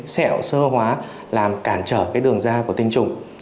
sẹo sơ hóa làm cản trở cái đường da của tinh trùng